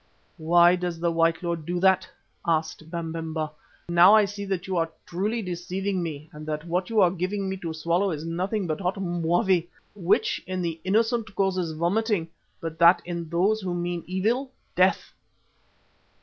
"Why does the white lord do that?" asked Babemba. "Now I see that you are truly deceiving me, and that what you are giving me to swallow is nothing but hot mwavi, which in the innocent causes vomiting, but that in those who mean evil, death."